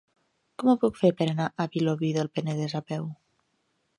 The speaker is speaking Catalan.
Com ho puc fer per anar a Vilobí del Penedès a peu?